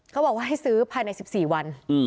เขาบอกว่าให้ซื้อภายใน๑๔วัน